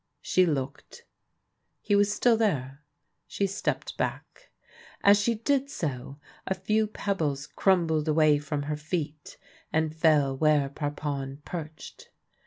She looked. He was still there. She stepped back. As she did so a few pebbles crumbled away from her feet and fell where Parpon perched.